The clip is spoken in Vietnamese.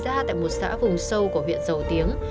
xảy ra tại một xã vùng sâu của huyện dầu tiếng